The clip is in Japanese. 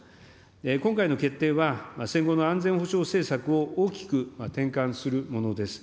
今回の決定は、戦後の安全保障政策を大きく転換するものです。